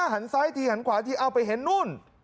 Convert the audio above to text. หันซ้ายทีหันขวาทีเอาไปเห็นนู่น